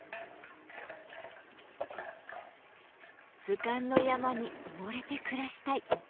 「図鑑の山に埋もれて暮らしたい」